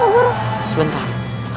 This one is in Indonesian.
guru tempatku guru